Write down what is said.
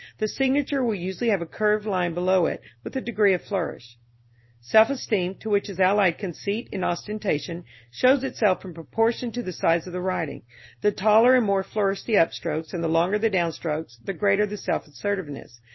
The signature will usually have a curved line below it, with a degree of flourish. Self esteem, to which is allied conceit and ostentation, shows itself in proportion to the size of the writing, the taller and more flourished the upstrokes and the longer the downstrokes, the greater the self assertiveness.